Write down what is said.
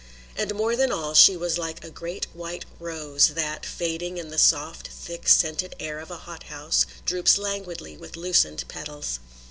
And more than all she was like a great white rose that, fading in the soft, thick, scented air of a hot house, droops languidly with loosened petals.